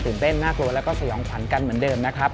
เต้นน่ากลัวแล้วก็สยองขวัญกันเหมือนเดิมนะครับ